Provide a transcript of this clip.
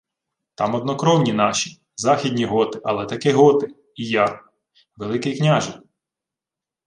— Там однокровні наші. Західні готи, але таки готи, і я. Великий княже...